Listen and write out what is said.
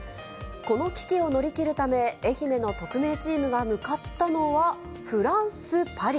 この危機を乗り切るため、愛媛の特命チームが向かったのは、フランス・パリ。